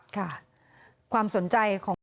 ค่ะความสนใจของ